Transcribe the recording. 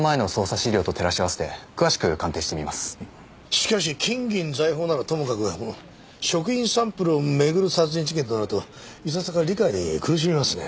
しかし金銀財宝ならともかく食品サンプルを巡る殺人事件となるといささか理解に苦しみますね。